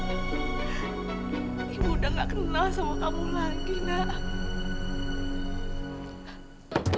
ibu udah gak kenal sama kamu lagi nak